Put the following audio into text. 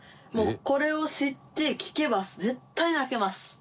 もう、これを知って聴けば絶対泣けます！